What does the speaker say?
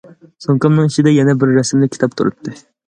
سومكامنىڭ ئىچىدە يەنە بىر رەسىملىك كىتاب تۇراتتى.